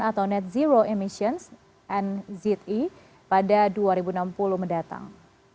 atau net zero emissions nze pada dua ribu enam puluh mendatang